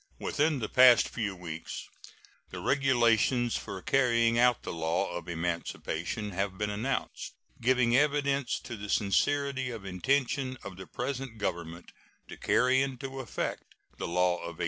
Within the past few weeks the regulations for carrying out the law of emancipation have been announced, giving evidence of the sincerity of intention of the present Government to carry into effect the law of 1870.